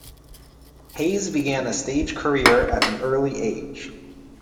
Hayes began a stage career at an early age.